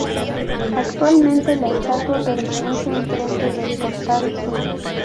Actualmente, la estatua permanece enfrente del portal sur.